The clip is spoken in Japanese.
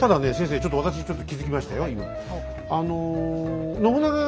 ちょっと私ちょっと気付きましたよ